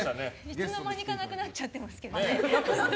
いつのまにかなくなっちゃってますけどね。